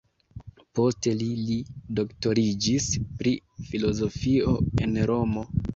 Poste li li doktoriĝis pri filozofio en Romo.